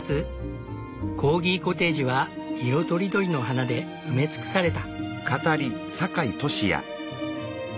コーギコテージは色とりどりの花で埋め尽くされた。